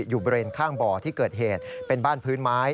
บริเวณข้างบ่อที่เกิดเหตุเป็นบ้านพื้นไม้